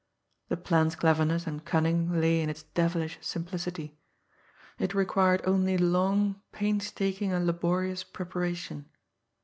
The plan's cleverness and cunning lay in its devilish simplicity it required only long, painstaking and laborious preparation.